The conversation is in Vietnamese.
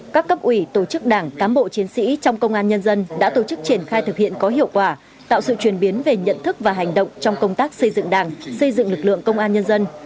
các cấp ủy tổ chức đảng cám bộ chiến sĩ trong công an nhân dân đã tổ chức triển khai thực hiện có hiệu quả tạo sự truyền biến về nhận thức và hành động trong công tác xây dựng đảng xây dựng lực lượng công an nhân dân